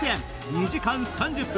２時間３０分。